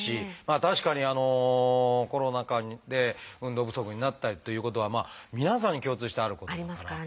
確かにコロナ禍で運動不足になったりということは皆さんに共通してあることですから。